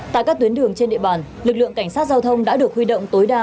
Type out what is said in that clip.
tại các tuyến đường trên địa bàn lực lượng cảnh sát giao thông đã được huy động tối đa